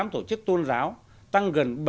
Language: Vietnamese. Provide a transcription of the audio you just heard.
ba mươi tám tổ chức tôn giáo tăng gần